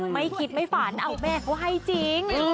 ไม่คิดไม่ฝันเอาแม่เขาให้จริง